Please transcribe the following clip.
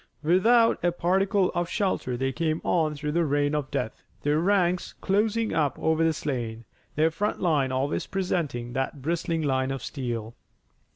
Without a particle of shelter they came on through the rain of death, their ranks closing up over the slain, their front line always presenting that bristling line of steel.